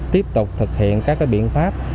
tiếp tục thực hiện các biện pháp